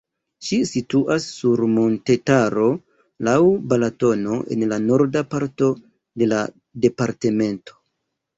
Ĝi situas sur montetaro laŭ Balatono en la norda parto de la departemento.